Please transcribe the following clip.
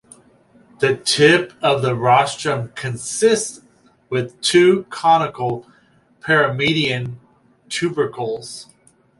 The tip of the rostrum consists with two conical paramedian tubercles.